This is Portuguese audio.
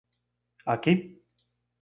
Aqui?